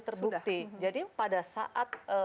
terbukti jadi pada saat